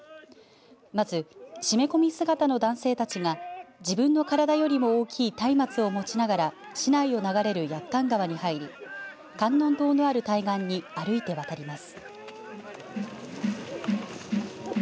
まず、締め込み姿の男性たちが自分の体よりも大きいたいまつを持ちながら市内を流れる駅館川に入り観音堂のある対岸に歩いて渡ります。